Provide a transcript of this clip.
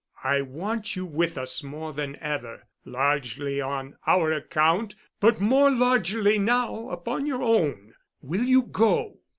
I want you with us more than ever—largely on our account, but more largely now upon your own. Will you go?"